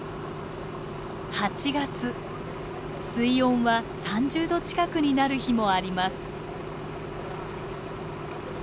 水温は３０度近くになる日もあります。